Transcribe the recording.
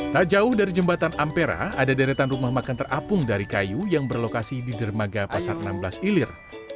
tak jauh dari jembatan ampera ada deretan rumah makan terapung dari kayu yang berlokasi di dermaga pasar enam belas ilir